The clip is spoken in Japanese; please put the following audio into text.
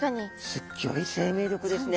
すギョい生命力ですね。